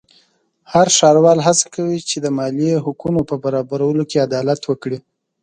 هر ښاروال هڅه کوي چې د مالیې د حقونو په برابرولو کې عدالت وکړي.